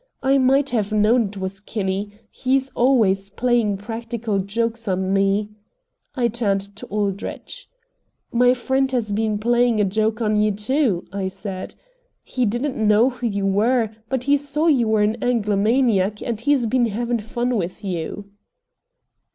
"I might have known it was Kinney; he's always playing practical jokes on me." I turned to Aldrich. "My friend has been playing a joke on you, too," I said. "He didn't know who you were, but he saw you were an Anglomaniac, and he's been having fun with you!"